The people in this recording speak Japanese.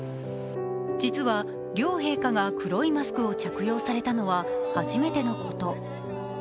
実は、両陛下が黒いマスクを着用されたのは初めてのこと。